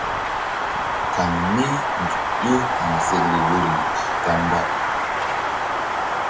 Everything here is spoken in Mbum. Kaŋ mí nzuk ƴó haŋsekle woyri ta mba.